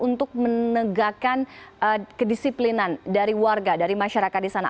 untuk menegakkan kedisiplinan dari warga dari masyarakat di sana